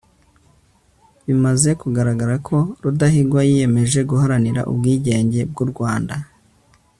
bimaze kugaragara ko rudahigwa yiyemeje guharanira ubwigenge bw'u rwanda